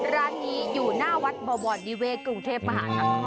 ร้านนี้อยู่หน้าวัดบะวอร์ดี้เว่กรุงเทพภาษา